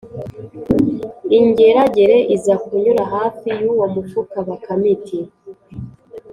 Ingeragere iza kunyura hafi y’uwo mufuka, Bakame iti